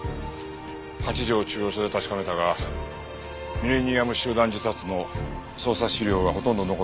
八条中央署で確かめたがミレニアム集団自殺の捜査資料はほとんど残ってなかった。